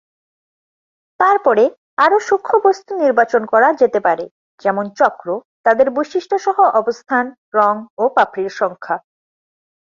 তারপরে আরও সূক্ষ্ম বস্তু নির্বাচন করা যেতে পারে, যেমন চক্র, তাদের বৈশিষ্ট্য সহ অবস্থান, রঙ ও পাপড়ির সংখ্যা।